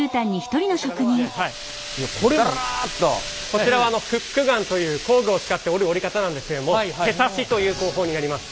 こちらはフックガンという工具を使って織る織り方なんですけども手刺しという工法になります。